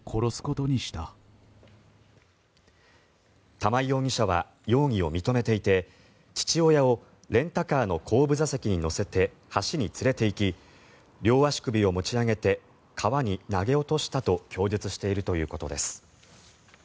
玉井容疑者は容疑を認めていて父親をレンタカーの後部座席に乗せて橋に連れていき両足首を持ち上げて川に投げ落としたと供述しているということです。